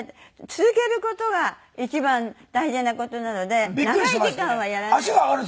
続ける事が一番大事な事なので長い時間はやらない。